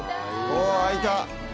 おぉ、開いた！